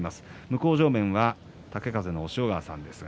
向正面は豪風の押尾川さんです。